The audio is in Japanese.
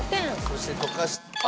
そして溶かした。